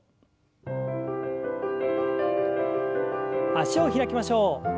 脚を開きましょう。